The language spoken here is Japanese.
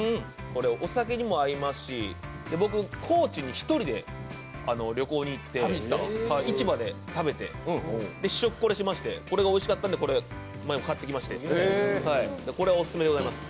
お酒にも合いますし、僕高知に１人で旅行に行って市場で食べて試食しましてこれがおいしかったので買ってきましてこれ、おすすめでございます。